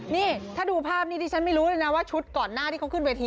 นี่ถ้าดูภาพนี้ดิฉันไม่รู้เลยนะว่าชุดก่อนหน้าที่เขาขึ้นเวที